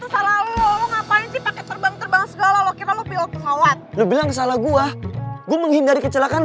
terbang terbang segala lo bilang salah gua gue menghindari kecelakaan